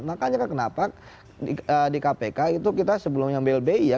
makanya kan kenapa di kpk itu kita sebelumnya blbi ya